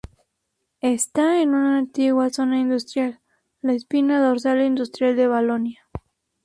Está en una antigua zona industrial, la espina dorsal industrial de Valonia.